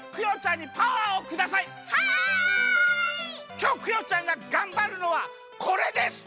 きょうクヨちゃんががんばるのはこれです！